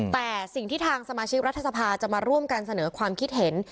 แต่สิ่งที่ทางสมาชิกรัฐสภาจะมาร่วมกันเสนอความคิดเห็น